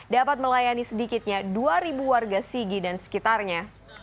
dapat melayani sedikitnya dua warga sigi dan sekitarnya